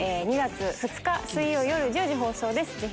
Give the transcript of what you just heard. ２月２日水曜夜１０時放送です